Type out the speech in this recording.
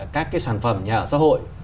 các cái sản phẩm nhà ở xã hội